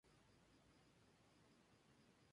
La calculadora se conectaba por encima de la impresora.